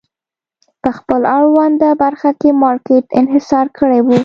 په خپل اړونده برخه کې مارکېټ انحصار کړی و.